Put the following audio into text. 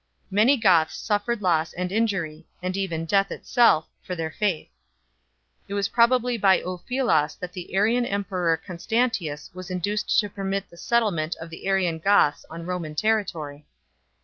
Many Goths suffered loss and injury, and even death itself, for their faith. It was probably by Ulfilas that the Arian emperor Constantius was induced to permit the settlement of the Arian Goths on Roman territory.